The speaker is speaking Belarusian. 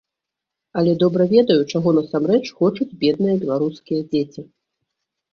Але добра ведаю, чаго насамрэч хочуць бедныя беларускія дзеці.